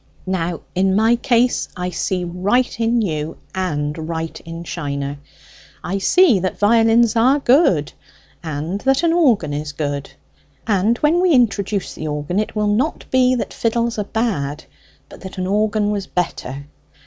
Now in my case, I see right in you, and right in Shiner. I see that violins are good, and that an organ is good; and when we introduce the organ, it will not be that fiddles were bad, but that an organ was better.